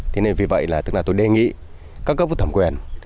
thế nên vì vậy là tức là tôi đề nghị các cấp thẩm quyền